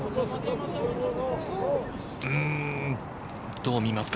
どう見ますか？